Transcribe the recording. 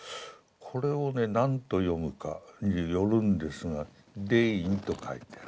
これをね何と読むかによるんですが「デイン」と書いてある。